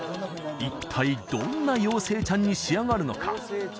一体どんな妖精ちゃんに仕上がるのか？